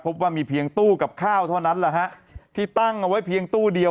พบว่ามีเพียงตู้กับข้าวเท่านั้นแหละฮะที่ตั้งเอาไว้เพียงตู้เดียว